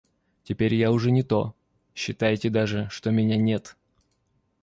Теперь я уже не то, считайте даже, что меня нет.